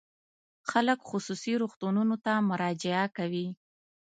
خلک خصوصي روغتونونو ته مراجعه کوي.